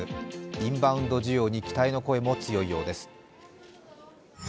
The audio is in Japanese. インバウンド需要に期待の声も強いようです。